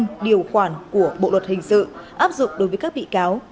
tội danh điều khoản của bộ luật hình sự áp dụng đối với các bị cáo